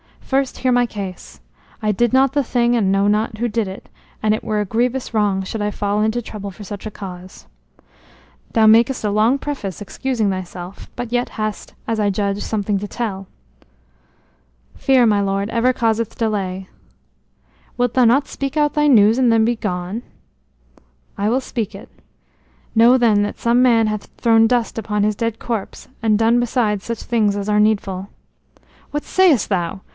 "First hear my case. I did not the thing and know not who did it, and it were a grievous wrong should I fall into trouble for such a cause." "Thou makest a long preface, excusing thyself, but yet hast, as I judge, something to tell." "Fear, my lord, ever causeth delay." "Wilt thou not speak out thy news and then begone?" "I will speak it. Know then that some man hath thrown dust upon this dead corpse, and done besides such things as are needful." "What sayest thou?